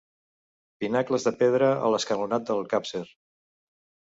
Pinacles de pedra a l'escalonat del capcer.